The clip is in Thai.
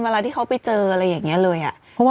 เวลาที่เขาไปเจออะไรอย่างนี้เลย